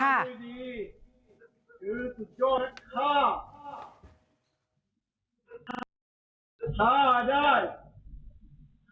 ถือสุดยอดฆ่าฆ่าไม่ไหวต้องพาไปฆ่าถิ่ง